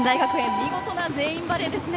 見事な全員バレーですね。